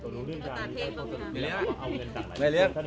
อดีตรงทำงาน